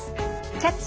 「キャッチ！